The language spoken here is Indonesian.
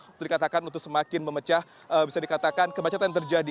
bisa dikatakan untuk semakin memecah kemacetan yang terjadi